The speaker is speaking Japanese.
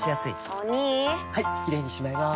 お兄はいキレイにしまいます！